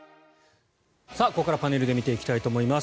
ここからパネルで見ていきたいと思います。